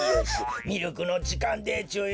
ミルクのじかんでちゅよ。